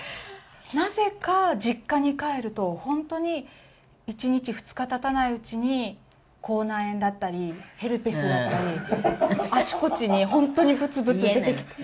なぜか実家に帰ると、本当に、１日、２日たたないうちに、口内炎だったり、ヘルペスだったり、あちこちに、本当にぶつぶつ出てきて。